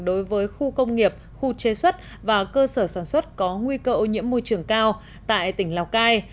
đối với khu công nghiệp khu chế xuất và cơ sở sản xuất có nguy cơ ô nhiễm môi trường cao tại tỉnh lào cai